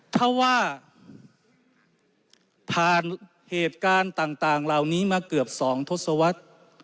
ถ้าว่าผ่านเหตุการณ์ต่างเหล่านี้มาเกือบ๒ทศวรรษ